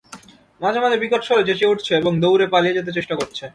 মাঝে-মাঝে বিকট স্বরে চেঁচিয়ে উঠছে এবং দৌড়ে পালিয়ে যেতে চেষ্টা করছে।